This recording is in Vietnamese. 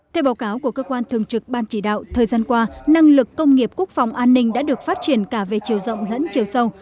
theo báo cáo của cơ quan thường trực ban chỉ đạo thời gian qua năng lực công nghiệp quốc phòng an ninh đã được phát triển cả về chiều rộng lẫn chiều sâu